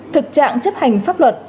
thực trạng chấp hành pháp luật